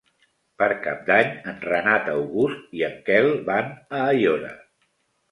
Per Cap d'Any en Renat August i en Quel van a Aiora.